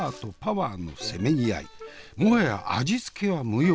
もはや味付けは無用。